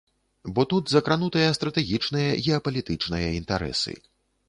Бо тут закранутыя стратэгічныя геапалітычныя інтарэсы.